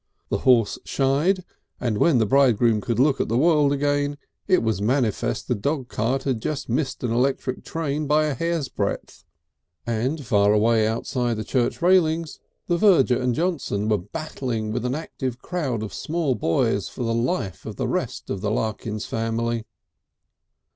The horse shied, and when the bridegroom could look at the world again it was manifest the dog cart had just missed an electric tram by a hairsbreadth, and far away outside the church railings the verger and Johnson were battling with an active crowd of small boys for the life of the rest of the Larkins family.